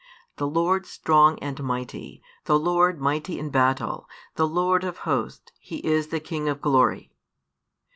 The Lord strong and mighty, the Lord mighty in battle, the Lord of Hosts, He is the King of Glory.